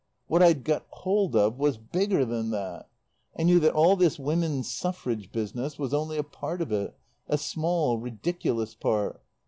What I'd got hold of was bigger than that. I knew that all this Women's Suffrage business was only a part of it, a small, ridiculous part.